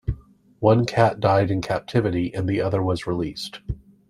One cat died in captivity, and the other was released.